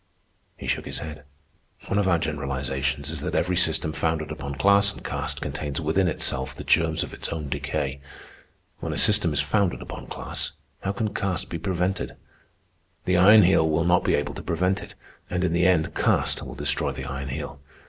He shook his head. "One of our generalizations is that every system founded upon class and caste contains within itself the germs of its own decay. When a system is founded upon class, how can caste be prevented? The Iron Heel will not be able to prevent it, and in the end caste will destroy the Iron Heel.